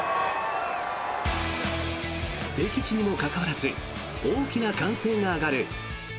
敵地にもかかわらず大きな歓声が上がる。